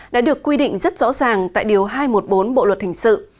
đã được quy định rất rõ ràng tại điều hai trăm một mươi bốn bộ luật hình sự